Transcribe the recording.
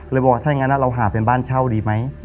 บอกว่าถ้าอย่างนั้นเราหาเป็นบ้านเช่าดีไหม